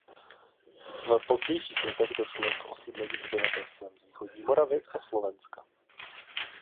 V pozdějších letech došlo k osídlení obyvatelstvem z východní Moravy a Slovenska.